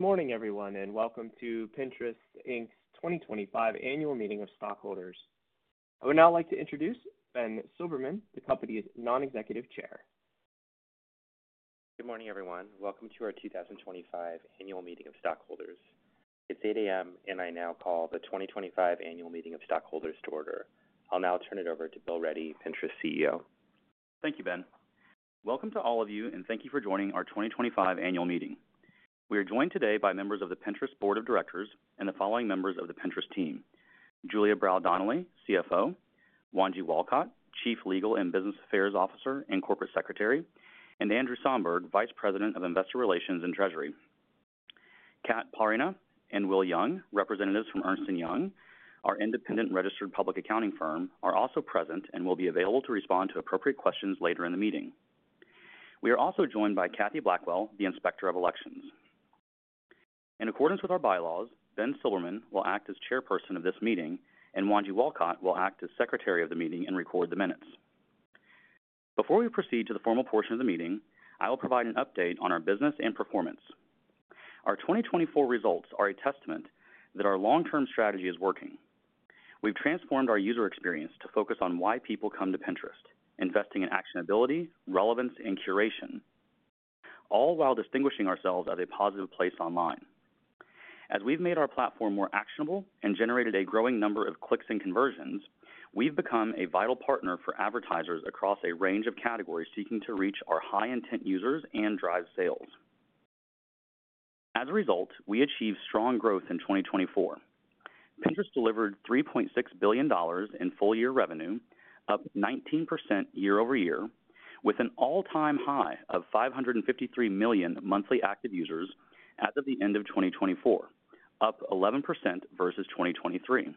Good morning, everyone, and welcome to Pinterest's 2025 Annual Meeting of Stockholders. I would now like to introduce Ben Silbermann, the company's Non-Executive Chair. Good morning, everyone. Welcome to our 2025 Annual Meeting of Stockholders. It's 8:00 A.M., and I now call the 2025 Annual Meeting of Stockholders to order. I'll now turn it over to Bill Ready, Pinterest CEO. Thank you, Ben. Welcome to all of you, and thank you for joining our 2025 Annual Meeting. We are joined today by members of the Pinterest Board of Directors and the following members of the Pinterest team: Julia Brau Donnelly, CFO; Wanji Walcott, Chief Legal and Business Affairs Officer and Corporate Secretary; and Andrew Somberg, Vice President of Investor Relations and Treasury. Kat Parineh and Will Young, representatives from Ernst & Young, our independent registered public accounting firm, are also present and will be available to respond to appropriate questions later in the meeting. We are also joined by Kathy Blackwell, the Inspector of Elections. In accordance with our bylaws, Ben Silbermann will act as Chairperson of this meeting, and Wanji Walcott will act as Secretary of the meeting and record the minutes. Before we proceed to the formal portion of the meeting, I will provide an update on our business and performance. Our 2024 results are a testament that our long-term strategy is working. We've transformed our user experience to focus on why people come to Pinterest: investing in actionability, relevance, and curation, all while distinguishing ourselves as a positive place online. As we've made our platform more actionable and generated a growing number of clicks and conversions, we've become a vital partner for advertisers across a range of categories seeking to reach our high-intent users and drive sales. As a result, we achieved strong growth in 2024. Pinterest delivered $3.6 billion in full-year revenue, up 19% year-over-year, with an all-time high of 553 million monthly active users as of the end of 2024, up 11% versus 2023.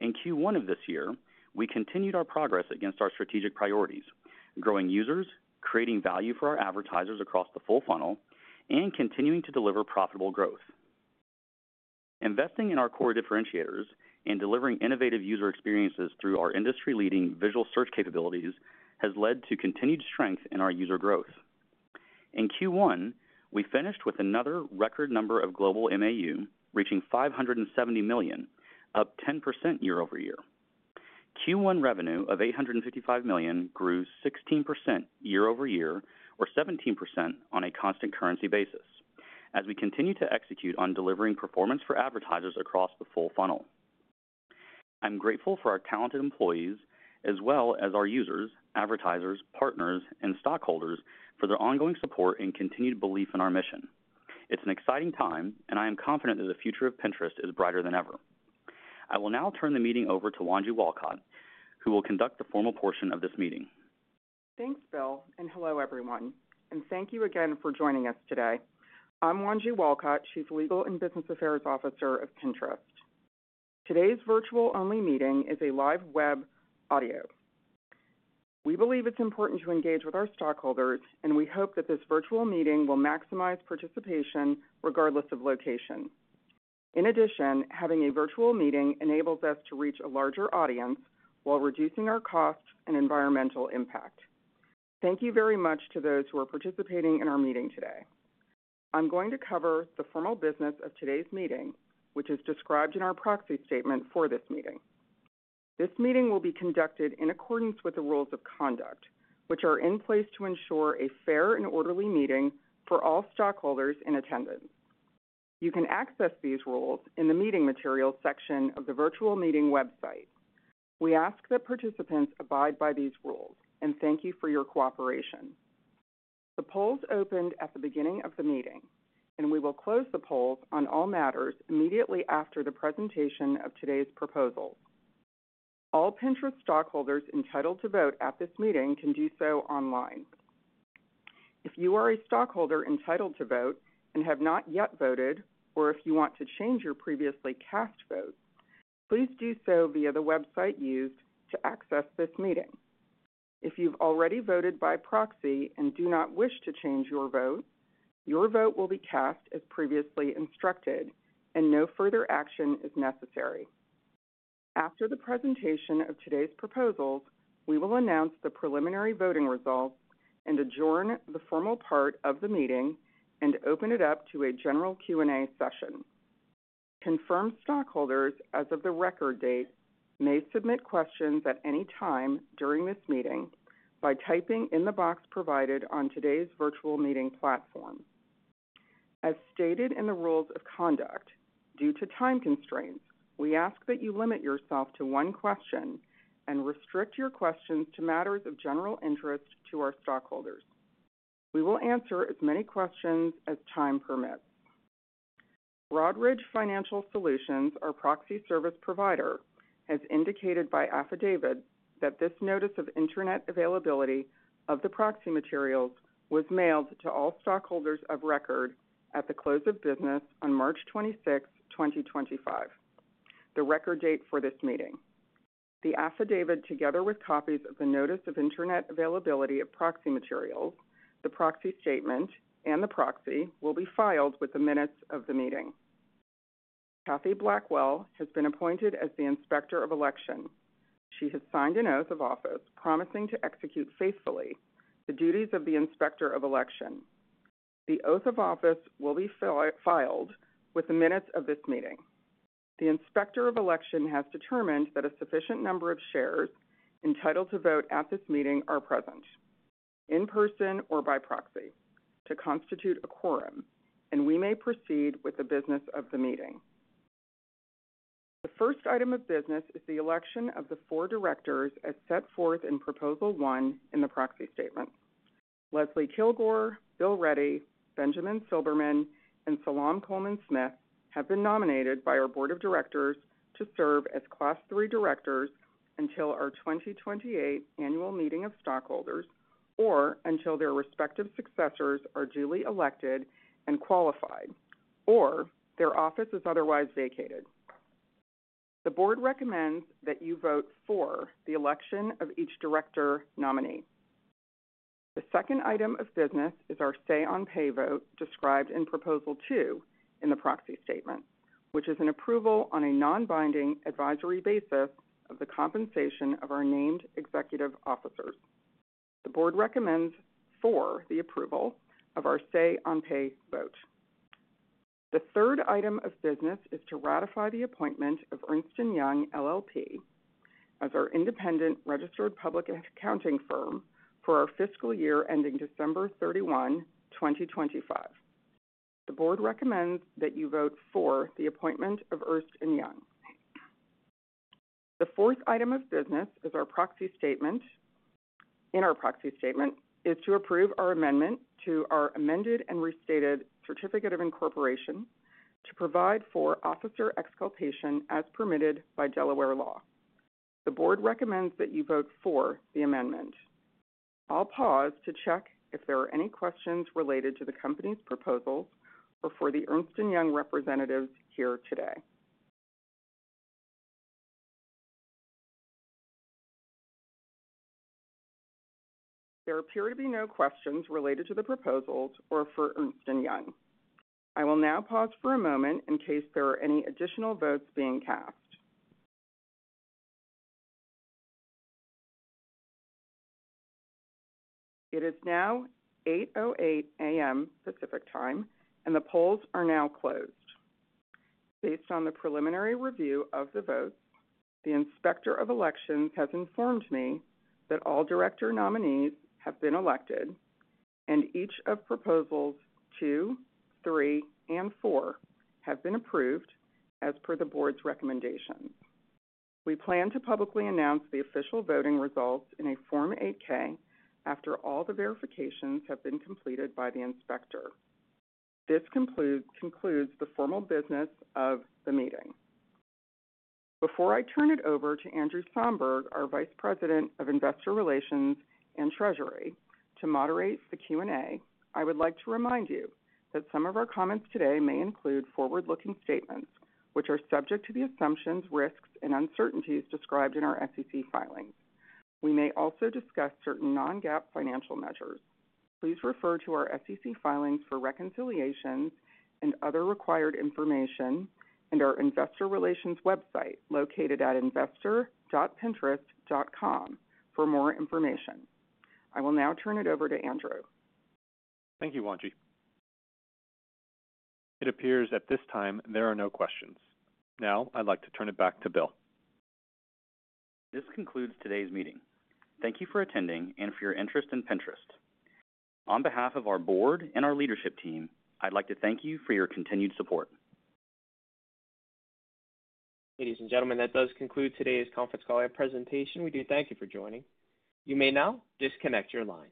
In Q1 of this year, we continued our progress against our strategic priorities: growing users, creating value for our advertisers across the full funnel, and continuing to deliver profitable growth. Investing in our core differentiators and delivering innovative user experiences through our industry-leading visual search capabilities has led to continued strength in our user growth. In Q1, we finished with another record number of global MAU, reaching 570 million, up 10% year-over-year. Q1 revenue of $855 million grew 16% year-over-year, or 17% on a constant currency basis, as we continue to execute on delivering performance for advertisers across the full funnel. I'm grateful for our talented employees, as well as our users, advertisers, partners, and stockholders, for their ongoing support and continued belief in our mission. It's an exciting time, and I am confident that the future of Pinterest is brighter than ever. I will now turn the meeting over to Wanji Walcott, who will conduct the formal portion of this meeting. Thanks, Bill, and hello, everyone. Thank you again for joining us today. I'm Wanji Walcott. she is the Legal and Business Affairs Officer of Pinterest. Today's virtual-only meeting is a live web audio. We believe it's important to engage with our stockholders, and we hope that this virtual meeting will maximize participation regardless of location. In addition, having a virtual meeting enables us to reach a larger audience while reducing our costs and environmental impact. Thank you very much to those who are participating in our meeting today. I'm going to cover the formal business of today's meeting, which is described in our proxy statement for this meeting. This meeting will be conducted in accordance with the rules of conduct, which are in place to ensure a fair and orderly meeting for all stockholders in attendance. You can access these rules in the meeting materials section of the virtual meeting website. We ask that participants abide by these rules and thank you for your cooperation. The polls opened at the beginning of the meeting, and we will close the polls on all matters immediately after the presentation of today's proposals. All Pinterest stockholders entitled to vote at this meeting can do so online. If you are a stockholder entitled to vote and have not yet voted, or if you want to change your previously cast vote, please do so via the website used to access this meeting. If you've already voted by proxy and do not wish to change your vote, your vote will be cast as previously instructed, and no further action is necessary. After the presentation of today's proposals, we will announce the preliminary voting results and adjourn the formal part of the meeting and open it up to a general Q&A session. Confirmed stockholders, as of the record date, may submit questions at any time during this meeting by typing in the box provided on today's virtual meeting platform. As stated in the rules of conduct, due to time constraints, we ask that you limit yourself to one question and restrict your questions to matters of general interest to our stockholders. We will answer as many questions as time permits. Broadridge Financial Solutions, our proxy service provider, has indicated by affidavit that this notice of internet availability of the proxy materials was mailed to all stockholders of record at the close of business on March 26, 2025, the record date for this meeting. The affidavit, together with copies of the notice of internet availability of proxy materials, the proxy statement, and the proxy, will be filed with the minutes of the meeting. Kathy Blackwell has been appointed as the Inspector of Election. She has signed an oath of office promising to execute faithfully the duties of the Inspector of Election. The oath of office will be filed with the minutes of this meeting. The Inspector of Election has determined that a sufficient number of shares entitled to vote at this meeting are present, in person or by proxy, to constitute a quorum, and we may proceed with the business of the meeting. The first item of business is the election of the four directors as set forth in Proposal 1 in the proxy statement. Leslie Kilgore, Bill Ready, Benjamin Silbermann, and Salam Coleman Smith have been nominated by our Board of Directors to serve as Class 3 directors until our 2028 Annual Meeting of Stockholders or until their respective successors are duly elected and qualified, or their office is otherwise vacated. The board recommends that you vote for the election of each director nominee. The second item of business is our say-on-pay vote described in Proposal 2 in the proxy statement, which is an approval on a non-binding advisory basis of the compensation of our named executive officers. The board recommends for the approval of our say-on-pay vote. The third item of business is to ratify the appointment of Ernst & Young, LLP, as our independent registered public accounting firm for our fiscal year ending December 31, 2025. The board recommends that you vote for the appointment of Ernst & Young. The fourth item of business is our proxy statement. In our proxy statement is to approve our amendment to our amended and restated certificate of incorporation to provide for officer exculpation as permitted by Delaware law. The board recommends that you vote for the amendment. I'll pause to check if there are any questions related to the company's proposals or for the Ernst & Young representatives here today. There appear to be no questions related to the proposals or for Ernst & Young. I will now pause for a moment in case there are any additional votes being cast. It is now 8:08 A.M. Pacific time, and the polls are now closed. Based on the preliminary review of the votes, the Inspector of Elections has informed me that all director nominees have been elected and each of proposals 2, 3, and 4 have been approved as per the board's recommendations. We plan to publicly announce the official voting results in a Form 8-K after all the verifications have been completed by the inspector. This concludes the formal business of the meeting. Before I turn it over to Andrew Somberg, our Vice President of Investor Relations and Treasury, to moderate the Q&A, I would like to remind you that some of our comments today may include forward-looking statements, which are subject to the assumptions, risks, and uncertainties described in our SEC filings. We may also discuss certain non-GAAP financial measures. Please refer to our SEC filings for reconciliations and other required information and our Investor Relations website located at investor.pinterest.com for more information. I will now turn it over to Andrew. Thank you, Wanjie. It appears at this time there are no questions. Now I'd like to turn it back to Bill. This concludes today's meeting. Thank you for attending and for your interest in Pinterest. On behalf of our board and our leadership team, I'd like to thank you for your continued support. Ladies and gentlemen, that does conclude today's conference call and presentation. We do thank you for joining. You may now disconnect your line.